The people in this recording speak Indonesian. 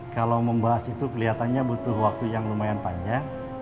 kalau membahas itu kelihatannya butuh waktu yang lumayan panjang